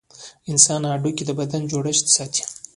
د انسان هډوکي د بدن جوړښت ساتي.